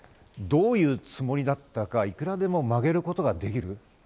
どういうつもりだったかいくらでも曲げることができる。